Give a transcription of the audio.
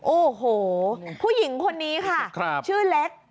โอ้โหผู้หญิงคนนี้ค่ะชื่อเล็ก